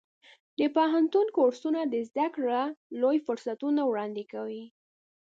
د پوهنتون کورسونه د زده کړې لوی فرصتونه وړاندې کوي.